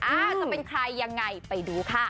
จะเป็นใครยังไงไปดูค่ะ